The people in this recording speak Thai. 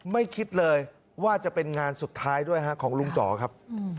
ไม่คิดเลยว่าจะเป็นงานสุดท้ายด้วยฮะของลุงจ๋อครับ